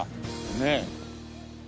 ねえ。